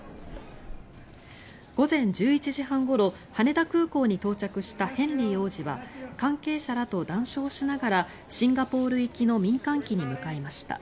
午前１１時半ごろ、羽田空港に到着したヘンリー王子は関係者らと談笑しながらシンガポール行きの民間機に向かいました。